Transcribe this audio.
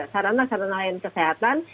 sarana sarana lain kesehatan